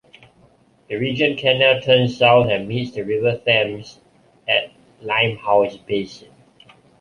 The Regent canal turns south, and meets the River Thames at Limehouse Basin.